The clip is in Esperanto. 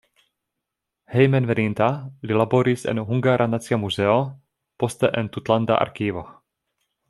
Hejmenveninta li laboris en Hungara Nacia Muzeo, poste en tutlanda arkivo.